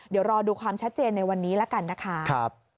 เดี๋ยวรอดูความชัดเจนในวันนี้ละกันนะคะ